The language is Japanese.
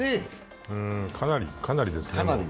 かなりですけど。